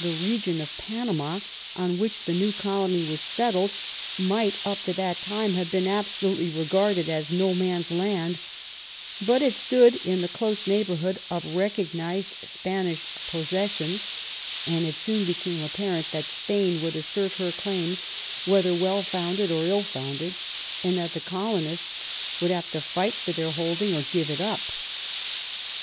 The region of Panama on which the new colony was settled might, up to that time, have been absolutely regarded as no man's land, but it stood in the close neighborhood of recognized Spanish possessions, and it soon became apparent that Spain would assert her claims, whether well founded or ill founded, and that the colonists would have to fight for their holding or give it up.